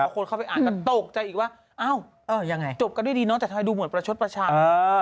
คนเข้าไปอ่านก็ตกใจอีกว่ายังไงจบกันด้วยดีเนาะแต่ทำไมดูเหมือนประชดประชัน